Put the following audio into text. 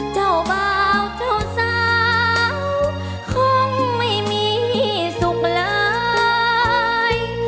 เจ้าบ่าวเจ้าสาวคงไม่มีสุขเลย